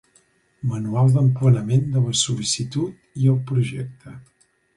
Manual d'emplenament de la sol·licitud i el projecte.